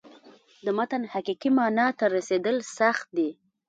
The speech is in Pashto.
د متن حقیقي معنا ته رسېدل سخت دي.